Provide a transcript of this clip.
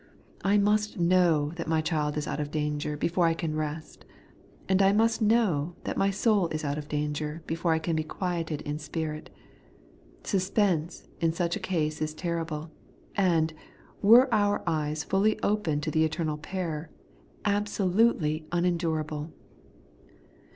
I must hnow that my chUd is out of danger before I can rest ; and I must krum that my soul is out of danger before I can be quieted in spirit. Suspense in such a case is terrible ; and, were our eyes fully open to the eternal peril, absolutely unendurable.